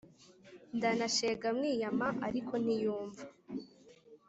Ndanashega mwiyama ariko ntiyumva